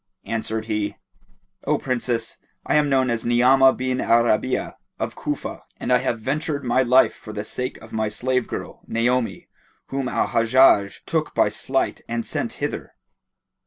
Answered he, "O Princess, I am known as Ni'amah bin al Rabi'a of Cufa and I have ventured my life for the sake of my slave girl, Naomi, whom Al Hajjaj took by sleight and sent hither."